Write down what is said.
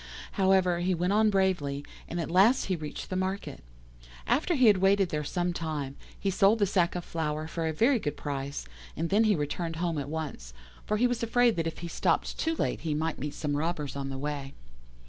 However, he went on bravely, and as last he reached the market. After he had waited there some time, he sold the sack of flour for a very good price, and then he returned home at once, for he was afraid that if he stopped too late he might meet some robbers on the way.